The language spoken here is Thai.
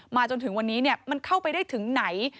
จนถึงวันนี้มันเข้าไปได้ถึงไหน